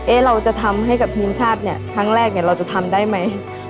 เราจะทำให้กับทีมชาติเนี่ยครั้งแรกเนี่ยเราจะทำได้ไหม